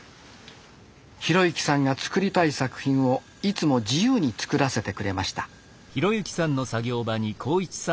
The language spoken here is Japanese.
浩之さんが作りたい作品をいつも自由に作らせてくれました。